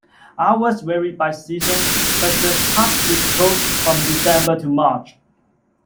Hours vary by season, but the park is closed from December to March.